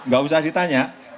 gak usah ditanya